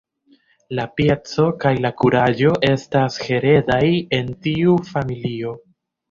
La pieco kaj la kuraĝo estas heredaj en tiu familio.